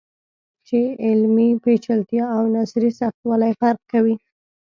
چې علمي پیچلتیا او نثري سختوالی فرق کوي.